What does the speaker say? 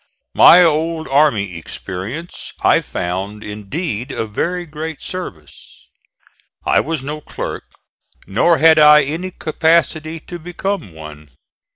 My old army experience I found indeed of very great service. I was no clerk, nor had I any capacity to become one.